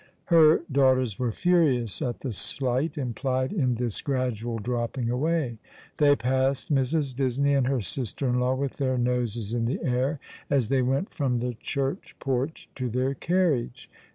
Her daughters were furious at the slight implied in this gradual dropping away. They passed Mrs. Disney and her sister in law with their noses in the air, as they went from the church porch to their carriage.